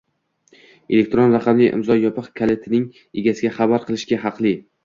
elektron raqamli imzo yopiq kalitining egasiga xabar qilishga haqli.